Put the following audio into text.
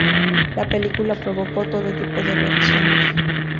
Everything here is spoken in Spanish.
La película provocó todo tipo de reacciones.